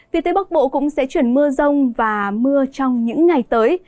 vì tây bắc bộ cũng sẽ chuyển mưa rông và mưa trong những ngày tới